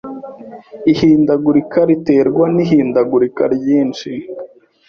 Ihindagurika riterwa n’ihindagurika ryinshi